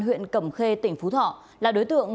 huyện cẩm khê tỉnh phú thọ là đối tượng